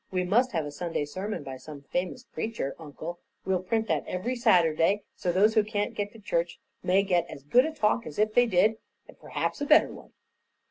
We must have a Sunday Sermon, by some famous preacher, Uncle. We'll print that every Saturday, so those who can't go to church may get as good a talk as if they did and perhaps a better one."